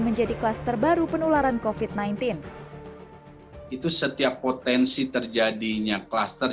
menjadi klaster baru penularan covid sembilan belas itu setiap potensi terjadinya klaster